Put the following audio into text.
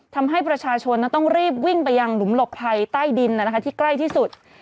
ทำให้ประชาชนต้องรีบวิ่งไปยังหลุมหลบภัยใต้ดินที่ใกล้ที่สุด